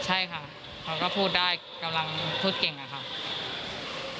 ใช่ค่ะเขาก็พูดได้กำลังพูดเก่งอะค่ะ